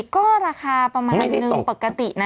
ก็ราคาประมาณนึงปกตินะ